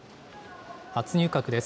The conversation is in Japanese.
初入閣です。